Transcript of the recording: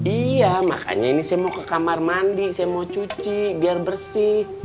iya makanya ini saya mau ke kamar mandi saya mau cuci biar bersih